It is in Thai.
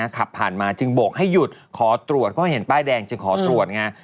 ขับผ่านมาจึงโบกให้หยุดขอตรวจเพราะเห็นป้ายแดงจึงขอตรวจไง